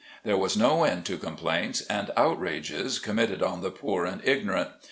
There was no end to com plaints and outrages committed on the poor and ignorant.